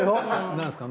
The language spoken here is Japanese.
何ですか？